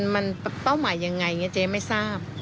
มันเป้าหมายยังไงเจ๊ไม่ทราบ